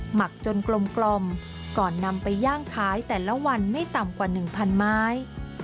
หมักจนกลมก่อนนำไปย่างขายแต่ละวันไม่ต่ำกว่า๑๐๐ไม้